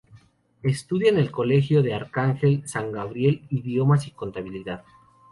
Estudia en el Colegio del Arcángel San Gabriel idiomas y contabilidad.